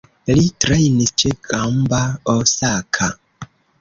Li trejnis ĉe Gamba Osaka.